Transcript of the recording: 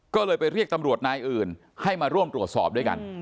ก็เลยไปเรียกตำรวจนายอื่นให้มาร่วมตรวจสอบด้วยกัน